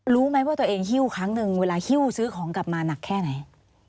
รู้ไหมว่าตัวเองหิ้วครั้งหนึ่งเวลาหิ้วซื้อของกลับมาหนักแค่ไหน